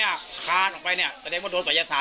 เอาก็ไม่กล้าไม่กล้า